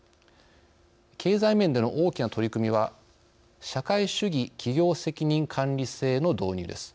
経済面での大きな取り組みは社会主義企業責任管理制の導入です。